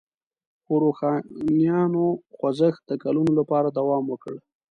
خو روښانیانو خوځښت د کلونو لپاره دوام وکړ.